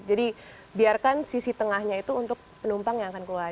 jadi biarkan sisi tengahnya itu untuk penumpang yang akan keluar